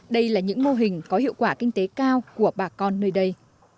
đây là những mô hình có hiệu quả kinh tế cao của bà con nơi đây